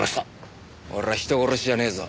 俺は人殺しじゃねえぞ。